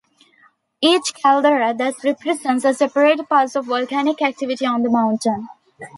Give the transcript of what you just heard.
Each caldera thus represents a separate pulse of volcanic activity on the mountain.